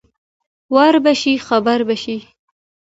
ـ وربشې خبر بشې.